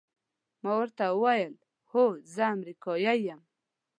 ما ورته وویل: هو، زه امریکایی یم.